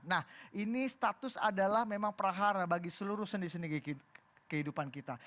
nah ini status adalah memang prahara bagi seluruh seni seni kehidupan kita